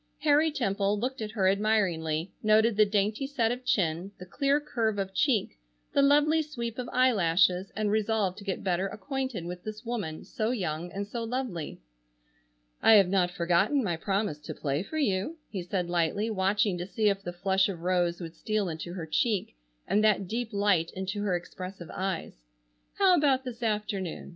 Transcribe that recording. Harry Temple looked at her admiringly, noted the dainty set of chin, the clear curve of cheek, the lovely sweep of eyelashes, and resolved to get better acquainted with this woman, so young and so lovely. "I have not forgotten my promise to play for you," he said lightly, watching to see if the flush of rose would steal into her cheek, and that deep light into her expressive eyes. "How about this afternoon?